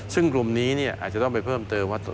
ซึ่งกลุ่มนี้อาจจะต้องไปเพิ่มเติมว่า